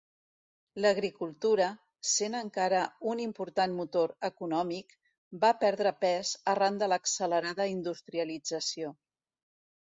L'agricultura, sent encara un important motor econòmic, va perdre pes arran de l'accelerada industrialització.